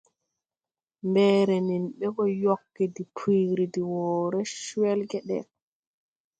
Mbɛɛrɛ nen ɓɛ gɔ yɔgge de piiri de wɔɔrɛ cwɛlgɛdɛ.